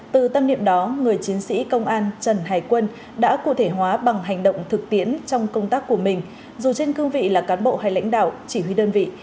từ tâm niệm đó người chiến sĩ công an trần hải quân đã cụ thể hóa bằng hành động thực tiễn trong công tác của mình dù trên cương vị là cán bộ hay lãnh đạo chỉ huy đơn vị